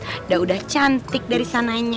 udah udah cantik dari sananya